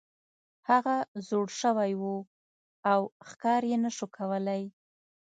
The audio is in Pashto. هغه زوړ شوی و او ښکار یې نشو کولی.